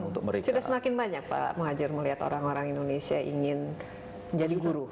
sudah semakin banyak pak muhajir melihat orang orang indonesia ingin menjadi guru